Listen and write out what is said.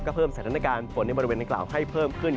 เพิ่มสถานการณ์ฝนในบริเวณดังกล่าวให้เพิ่มขึ้น